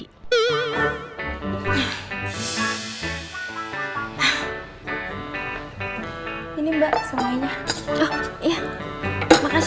gigi masih punya harapan dengan mas randy